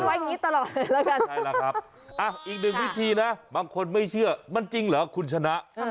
งั้นไว้งิษฐ์ตลอดเลยใช่แหละครับอีกหนึ่งวิธีบางคนไม่เชื่อมันจริงเหรอคุณชนะ